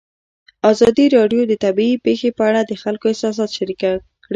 ازادي راډیو د طبیعي پېښې په اړه د خلکو احساسات شریک کړي.